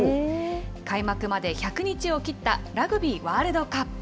開幕まで１００日を切ったラグビーワールドカップ。